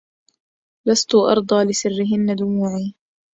لست أرضى لسرهن دموعي